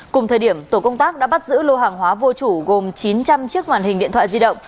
cùng thời điểm tổ công tác đã bắt giữ lô hàng hóa vô chủ gồm chín trăm linh chiếc màn hình điện thoại di động